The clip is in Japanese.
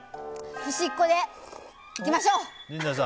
ふしっこでいきましょう！